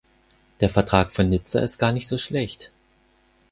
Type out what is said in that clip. Der Vertrag von Nizza ist gar nicht so schlecht.